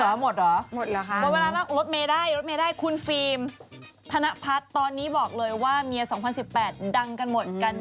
จริงเหรอหมดเหรอหมดเวลาละลดเมได้ลดเมได้คุณฟิล์มธนพัฒน์ตอนนี้บอกเลยว่าเมีย๒๐๑๘ดังกันหมดกัน